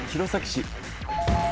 市。